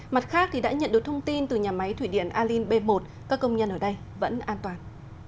mặt khác đã nhận được thông tin từ nhà máy thủy điện alin b một các công nhân ở đây vẫn an toàn